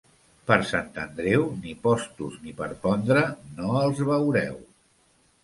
Per Sant Andreu, ni postos ni per pondre no els veureu.